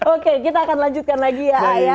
oke kita akan lanjutkan lagi ya ayah